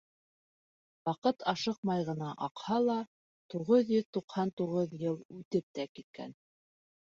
Ваҡыт ашыҡмай ғына аҡһа ла, туғыҙ йөҙ туҡһан туғыҙ йыл үтеп тә киткән.